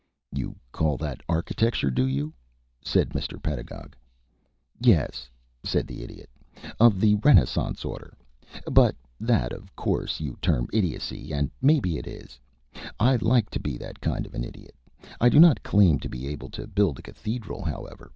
"You call that architecture, do you?" said Mr. Pedagog. "Yes," said the Idiot, "of the renaissance order. But that, of course, you term idiocy and maybe it is. I like to be that kind of an idiot. I do not claim to be able to build a cathedral, however.